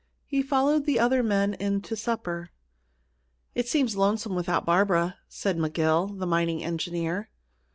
He followed the other men in to supper. "It seems lonesome without Barbara," said McGill, the mining engineer.